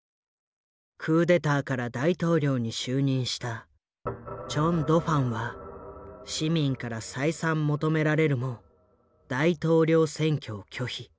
クーデターから大統領に就任したチョン・ドファンは市民から再三求められるも大統領選挙を拒否。